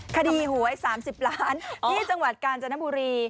คดีหวย๓๐ล้านที่จังหวัดกาญจนบุรี